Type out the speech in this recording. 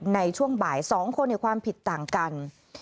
ในช่วงบ่าย๒คนความผิดต่างกัน